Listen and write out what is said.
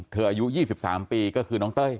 อายุ๒๓ปีก็คือน้องเต้ย